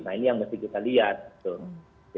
nah ini yang mesti kita lihat